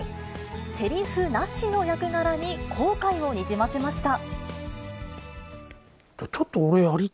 せりふなしの役柄に後悔をにじませました。